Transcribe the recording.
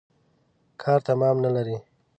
کار تمام نلري.